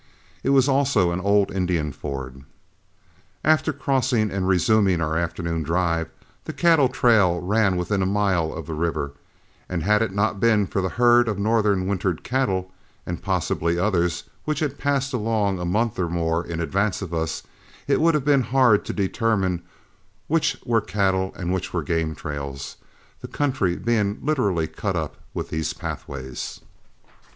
It was also an old Indian ford. After crossing and resuming our afternoon drive, the cattle trail ran within a mile of the river, and had it not been for the herd of northern wintered cattle, and possibly others, which had passed along a month or more in advance of us, it would have been hard to determine which were cattle and which were game trails, the country being literally cut up with these pathways.